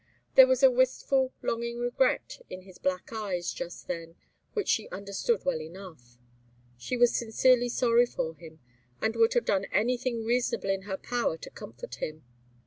There was a wistful, longing regret in his black eyes just then which she understood well enough. She was sincerely sorry for him, and would have done anything reasonable in her power to comfort him.